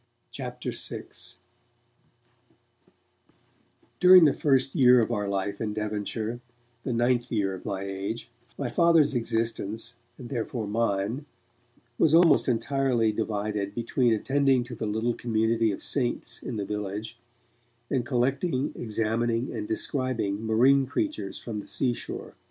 CHAPTER VI DURING the first year of our life in Devonshire, the ninth year of my age, my Father's existence, and therefore mine, was almost entirely divided between attending to the little community of 'Saints' in the village and collecting, examining and describing marine creatures from the seashore.